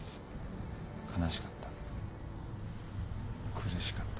苦しかった。